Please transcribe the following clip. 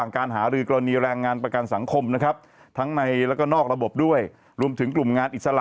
กันตื่นบ้านแล้วก็กินครัวซอง